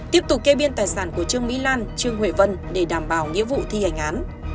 tiếp tục kê biên tài sản của trương mỹ lan trương huệ vân để đảm bảo nghĩa vụ thi hành án